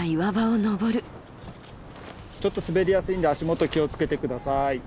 ちょっと滑りやすいんで足元気を付けて下さい。